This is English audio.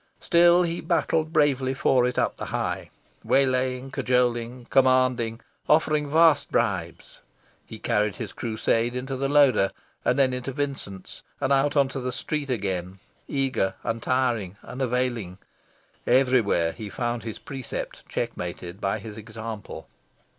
Still he battled bravely for it up the High, waylaying, cajoling, commanding, offering vast bribes. He carried his crusade into the Loder, and thence into Vincent's, and out into the street again, eager, untiring, unavailing: everywhere he found his precept checkmated by his example.